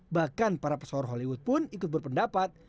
bahkan para pesohor hollywood pun ikut berpendapat